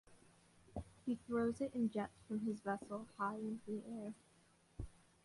He throws it in jets from his vessel high into the air.